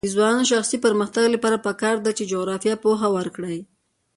د ځوانانو د شخصي پرمختګ لپاره پکار ده چې جغرافیه پوهه ورکړي.